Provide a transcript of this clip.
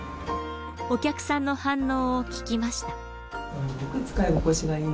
お客さんの反応を聞きました。